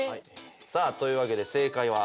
さあというわけで正解は。